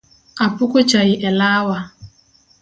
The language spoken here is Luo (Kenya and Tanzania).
Apuko chai e lawa